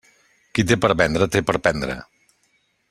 Qui té per vendre, té per prendre.